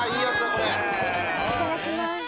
これいただきます